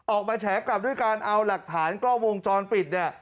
แฉกลับด้วยการเอาหลักฐานกล้องวงจรปิดเนี่ย